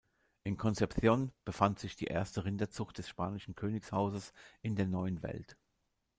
In Concepción befand sich die erste Rinderzucht des spanischen Königshauses in der neuen Welt.